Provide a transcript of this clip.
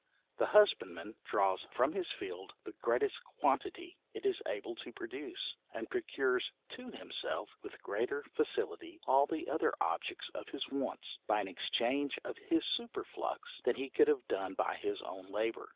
The husbandman draws from his field the greatest quantity it is able to produce, and procures to himself, with greater facility, all the other objects of his wants, by an exchange of his superflux, than he could have done by his own labour.